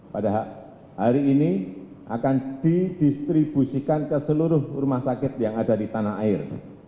pada hari ini akan didistribusikan ke seluruh rumah sakit yang ada di tanah air